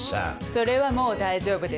それはもう大丈夫です。